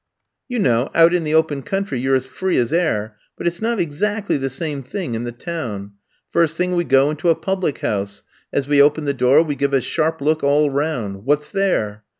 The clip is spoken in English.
You know, out in the open country you're as free as air; but it's not exactly the same thing in the town. First thing, we go into a public house; as we open the door we give a sharp look all round. What's there?